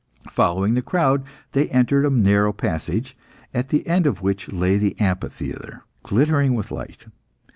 Following the crowd, they entered a narrow passage, at the end of which lay the amphitheatre, glittering with light.